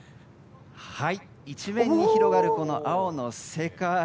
一面に広がる青の世界。